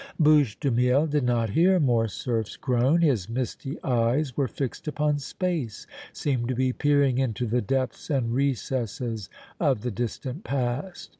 Bouche de Miel did not hear Morcerf's groan; his misty eyes were fixed upon space, seemed to be peering into the depths and recesses of the distant past.